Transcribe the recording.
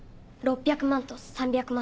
６００万と３００万